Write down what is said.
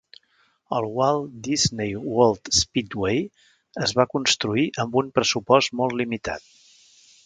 El Walt Disney World Speedway es va construir amb un pressupost molt limitat.